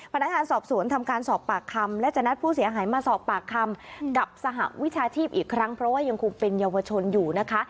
พนักงานสอบสวนทำการสอบปากคำและจะนัดผู้เสียหายมาสอบปากคำกับสหวิชาชีพอีกครั้งเพราะว่ายังคงเป็นเยาวชนอยู่นะคะ